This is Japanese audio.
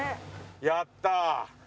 やったあ。